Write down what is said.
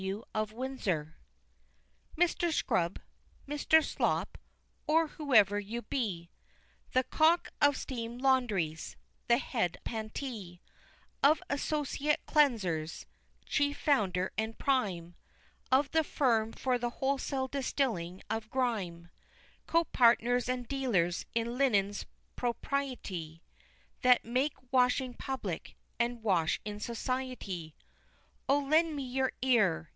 W. of Windsor_. Mr. Scrub Mr. Slop or whoever you be! The Cock of Steam Laundries, the head Patentee Of Associate Cleansers, Chief founder and prime Of the firm for the wholesale distilling of grime Co partners and dealers, in linen's propriety That make washing public and wash in society O lend me your ear!